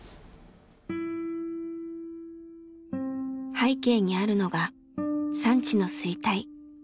背景にあるのが産地の衰退。